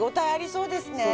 そうですね。